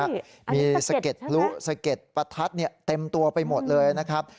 อันนี้สะเก็ดใช่ไหมมีสะเก็ดลุสะเก็ดประทัดเนี่ยเต็มตัวไปหมดเลยนะครับ